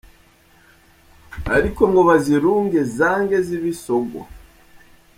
Ariko ngo bazirunge zange zibe isogo